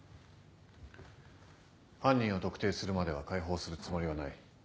犯人を特定するまでは解放するつもりはない。